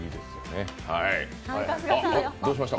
あっ、どうしました？